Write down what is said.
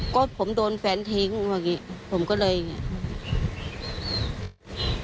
ก็ผมโดนแฟนทิ้งผมก็เลยอย่างเงี้ย